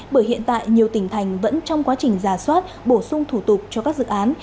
bởi hiện tại nhiều tỉnh thành vẫn trong quá trình giả soát bổ sung thủ tục cho các dự án